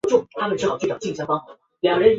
多栖息于在水质清澈及高溶氧量的淡水溪流。